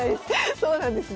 そうなんですね。